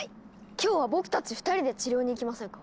今日は僕たち２人で治療に行きませんか？